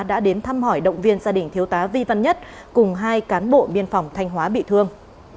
đã đến thăm hỏi động viên gia đình thiếu tá vi văn nhất cùng hai cán bộ biên phòng thanh hóa bị thương